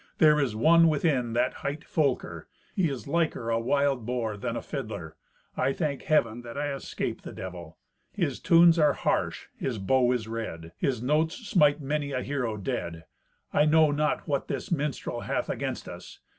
"There is one within that hight Folker. He is liker a wild boar than a fiddler. I thank Heaven that I escaped the devil. His tunes are harsh; his bow is red. His notes smite many a hero dead. I know not what this minstrel hath against us.